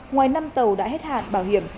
ngoài năm tàu đã hết hạn bảo hiểm